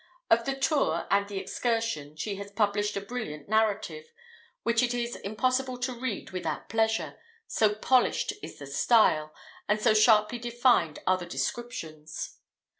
Of the tour and the excursion she has published a brilliant narrative, which it is impossible to read without pleasure, so polished is the style, and so sharply defined are the descriptions.